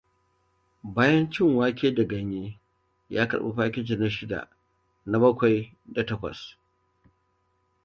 Bayan cin wake da ganya, ya karɓi fakiti na shida, na bakwai da takwas.